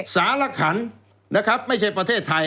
สารขันนะครับไม่ใช่ประเทศไทย